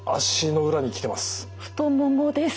太ももです。